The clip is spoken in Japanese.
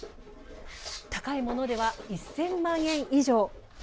高いものでは１，０００万円以上。